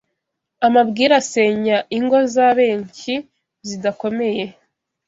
Amabwire asenya ingo zabenshyi zidakomeye